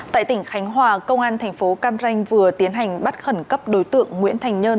tại tỉnh khánh hòa công an thành phố cam ranh vừa tiến hành bắt khẩn cấp đối tượng nguyễn thành nhơn